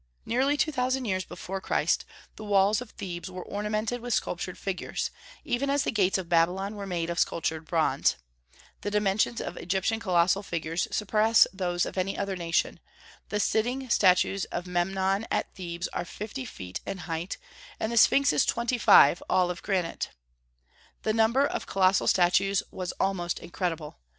Nearly two thousand years before Christ the walls of Thebes were ornamented with sculptured figures, even as the gates of Babylon were made of sculptured bronze. The dimensions of Egyptian colossal figures surpass those of any other nation. The sitting statues of Memnon at Thebes are fifty feet in height, and the Sphinx is twenty five, all of granite. The number of colossal statues was almost incredible.